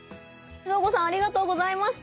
そーごさんありがとうございました！